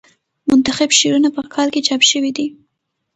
منتخب شعرونه په کال کې چاپ شوې ده.